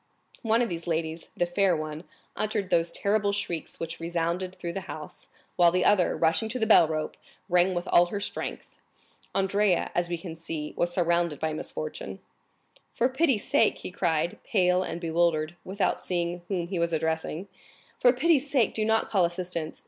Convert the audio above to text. One of these ladies, the fair one, uttered those terrible shrieks which resounded through the house, while the other, rushing to the bell rope, rang with all her strength. Andrea, as we can see, was surrounded by misfortune. "For pity's sake," he cried, pale and bewildered, without seeing whom he was addressing,—"for pity's sake do not call assistance!